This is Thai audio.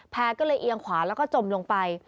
ก็เลยเอียงขวาแล้วก็จมลงไป